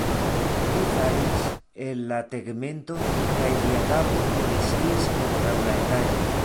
Li falis el la tegmento kaj lia kapo koliziis kontraŭ la etaĝo.